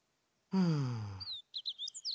うん。